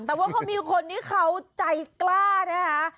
แต่ว่าเขามีคนที่เขาใจกล้านะคะ